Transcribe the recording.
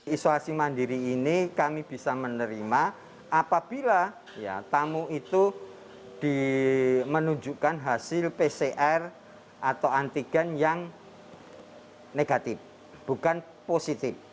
isolasi mandiri ini kami bisa menerima apabila tamu itu menunjukkan hasil pcr atau antigen yang negatif bukan positif